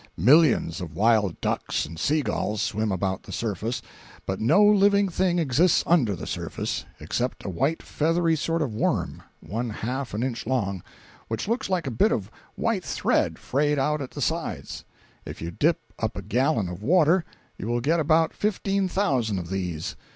Millions of wild ducks and sea gulls swim about the surface, but no living thing exists under the surface, except a white feathery sort of worm, one half an inch long, which looks like a bit of white thread frayed out at the sides. If you dip up a gallon of water, you will get about fifteen thousand of these.